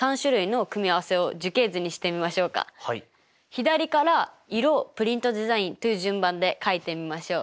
左から色プリントデザインという順番で書いてみましょう。